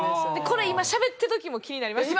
これ今しゃべってる時も気になりません？